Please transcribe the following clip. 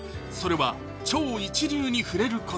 それは「超一流に触れる」